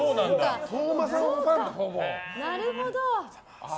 なるほど。